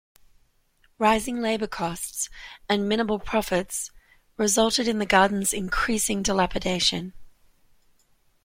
Rising labour costs and minimal profits resulted in the gardens' increasing dilapidation.